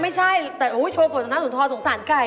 ไม่ใช่แต่โชว์ฝนธนสุนทรสงสารไก่